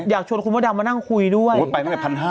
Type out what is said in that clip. อยากชวนคุณมดดำมานั่งคุยด้วย